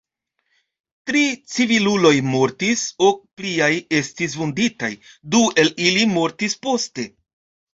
Tri civiluloj mortis, ok pliaj estis vunditaj, du el ili mortis poste.